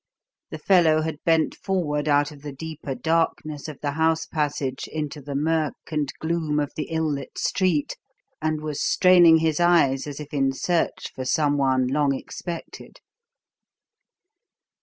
The fellow had bent forward out of the deeper darkness of the house passage into the murk and gloom of the ill lit street, and was straining his eyes as if in search for someone long expected.